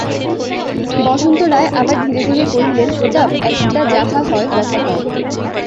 বসন্ত রায় আবার ধীরে ধীরে কহিলেন, প্রতাপ, একটা যাহা হয় কথা কও।